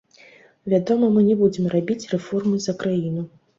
Вядома, мы не будзем рабіць рэформы за краіну.